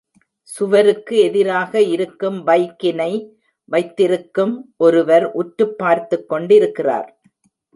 சுவருக்கு எதிராக இருக்கும் பைக்கினை வைத்திருக்கும் ஒருவர் உற்றுப் பார்த்துக் கொண்டிருக்கிறார்.